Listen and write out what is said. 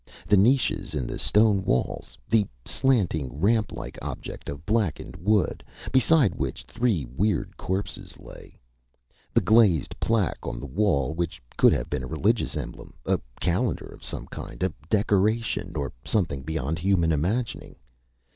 The niches in the stone walls? The slanting, ramplike object of blackened wood, beside which three weird corpses lay? The glazed plaque on the wall, which could have been a religious emblem, a calendar of some kind, a decoration, or something beyond human imagining?